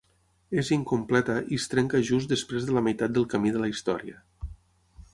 És incompleta i es trenca just després de la meitat del camí de la història.